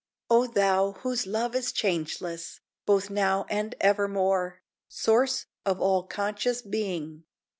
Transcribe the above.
O Thou, whose love is changeless, Both now and evermore, Source of all conscious being!